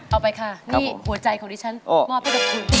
เอาไปค่ะนี่หัวใจของดิฉันมอบให้กับคุณ